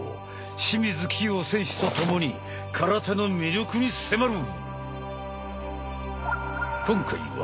清水希容選手とともに空手の魅力に迫る。